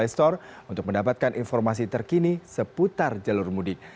seputar jalur mudik